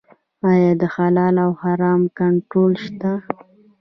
آیا د حلال او حرام کنټرول شته؟